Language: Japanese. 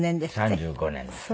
３５年ですね。